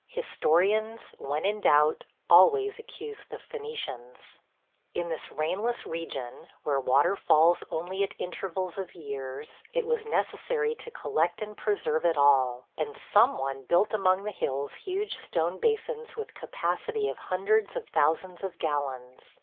Historians, when in doubt, always accuse the Phœnicians. In this rainless region, where water falls only at intervals of years, it was necessary to collect and preserve it all, and some one built among the hills huge stone basins with capacity of hundreds of thousands of gallons.